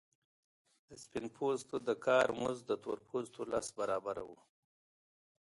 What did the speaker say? د سپین پوستو د کار مزد د تور پوستو لس برابره وو